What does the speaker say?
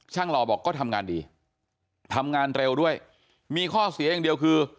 หล่อบอกก็ทำงานดีทำงานเร็วด้วยมีข้อเสียอย่างเดียวคือ